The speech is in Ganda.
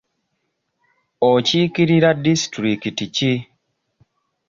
Okiikirira disitulikiti ki?